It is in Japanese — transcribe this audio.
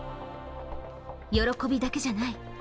喜びだけじゃない。